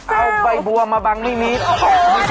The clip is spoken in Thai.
เอาใบบัวมาบังมิริพศ